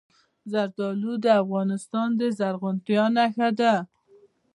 زردالو د افغانستان د زرغونتیا نښه ده.